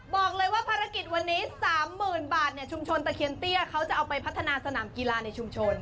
บอกเลยว่าภารกิจวันนี้๓๐๐๐บาทชุมชนตะเคียนเตี้ยเขาจะเอาไปพัฒนาสนามกีฬาในชุมชน